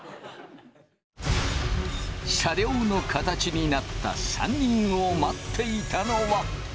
車両の形になった３人を待っていたのは。